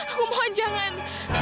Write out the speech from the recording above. aku mohon jangan